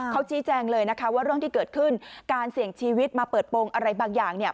เขาชี้แจงเลยนะคะว่าเรื่องที่เกิดขึ้นการเสี่ยงชีวิตมาเปิดโปรงอะไรบางอย่างเนี่ย